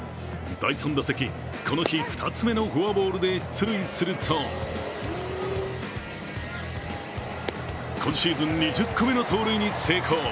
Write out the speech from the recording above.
第３打席、この日２つ目のフォアボールで出塁すると今シーズン２０個目の盗塁に成功。